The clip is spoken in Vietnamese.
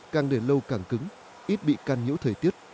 càng đến lâu càng cứng ít bị can nhũ thời tiết